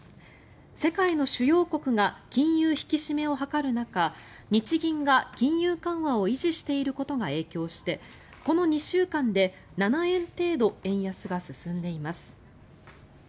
世界の主要国が金融引き締めを図る中日銀が金融緩和を維持していることが影響してこの２週間で７円程度円安が進んでいます。